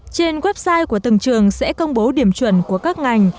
trên website của từng trường sẽ công bố điểm chuẩn của các ngành